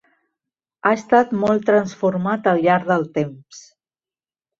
Ha estat molt transformat al llarg del temps.